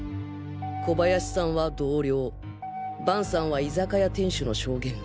小林さんは同僚伴さんは居酒屋店主の証言。